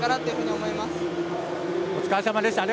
お疲れさまでした。